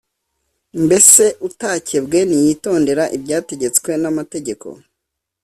Mbese utakebwe niyitondera ibyategetswe n’amategeko